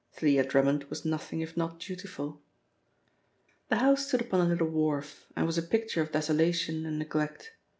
Thalia Drummond was nothing if not dutiful. The house stood upon a little wharf, and was a picture of desolation and neglect.